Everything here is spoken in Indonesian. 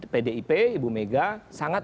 pdip ibu mega sangat